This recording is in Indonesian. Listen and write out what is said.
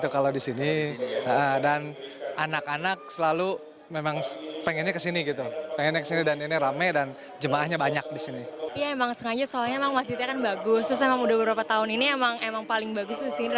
masjid agung trans studio bandung